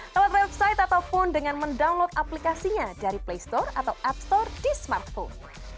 lewat website ataupun dengan mendownload aplikasinya dari play store atau app store di smartphone